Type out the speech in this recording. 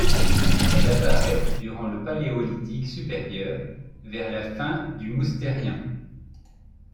Elle apparaît durant le Paléolithique supérieur, vers la fin du Moustérien.